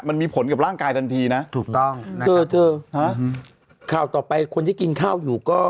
มันมีผลกับร่างกายทันทีนะถูกต้องนะข่าวต่อไปคนที่กินข้าวอยู่ก็